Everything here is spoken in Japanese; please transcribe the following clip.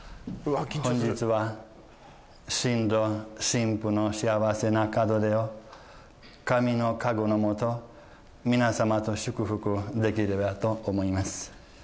本日は新郎新婦の幸せな門出を神の加護のもと皆様と祝福できればと思います